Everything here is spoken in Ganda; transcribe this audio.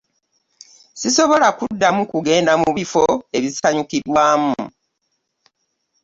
Sisobola kuddamu kugenda mu bifo ebisanyukirwamu.